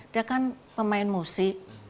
dia kan pemain musik